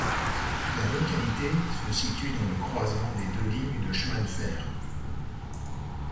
La localité se situe dans le croisement de deux lignes de chemins de fer.